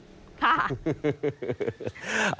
ค่ะ